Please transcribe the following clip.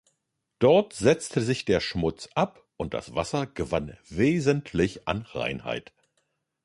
Dort setzte sich der Schmutz ab und das Wasser gewann wesentlich an Reinheit.